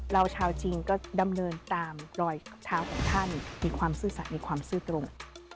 ชาวจีนก็ดำเนินตามรอยเท้าของท่านมีความซื่อสัตว์มีความซื่อตรง